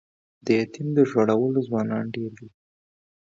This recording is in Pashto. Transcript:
د یتیم د ژړولو ځوانان ډیر دي